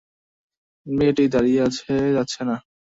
মেয়েটি দাঁড়িয়ে আছে, যাচ্ছে না।